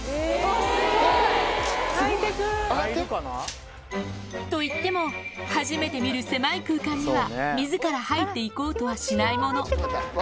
すごい。といっても、初めて見る狭い空間には、みずから入っていこうとはしないもの。